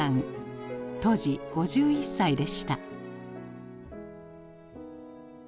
当時５１歳でした。